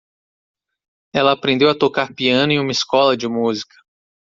Ela aprendeu a tocar piano em uma escola de música.